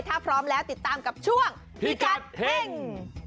ถ้าพร้อมแล้วติดตามกับช่วงพิกัดเฮ่ง